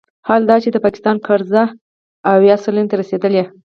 حال دا چې د پاکستان قرضه اویا سلنې ته رسیدلې